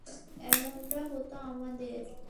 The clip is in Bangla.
এমনটা হতো আমাদের।